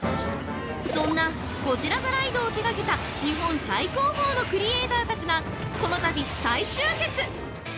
◆そんなゴジラ・ザ・ライドを手がけた日本最高峰のクリエイターたちがこのたび再集結！